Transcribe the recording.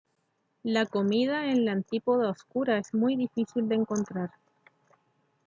La comida en la Antípoda Oscura es muy difícil de encontrar.